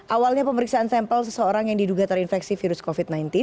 awalnya pemeriksaan sampel seseorang yang diduga terinfeksi virus covid sembilan belas